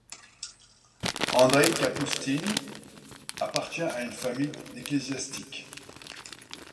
Andreï Kapoustine appartient à une famille d'ecclésiastiques.